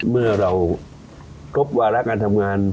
เมื่อเราครบวาระการทำงาน